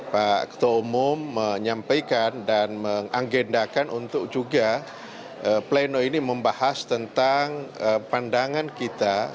pak ketua umum menyampaikan dan mengagendakan untuk juga pleno ini membahas tentang pandangan kita